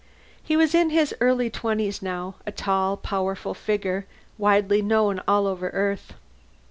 He was in his early twenties, now, a tall, powerful figure, widely known all over Earth.